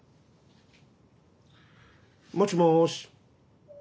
もしもし。